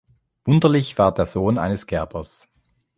Wunderlich war der Sohn eines Gerbers.